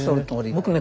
僕ね